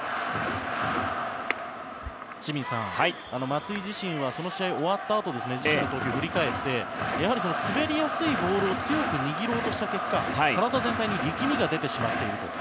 清水さん、松井自身はその試合が終わったあと自身の投球を振り返って滑りやすいボールを強く握ろうとした結果、体全体に力みが出てしまっている。